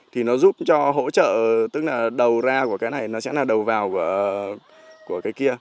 thì nó giúp cho hỗ trợ tức là đầu ra của cái này nó sẽ là đầu vào của cái kia